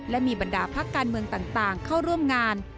และมีบรรดาพักการเมืองต่างเข้าร่วมงาน